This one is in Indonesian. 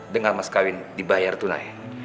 dengan mas kawin dibayar tunai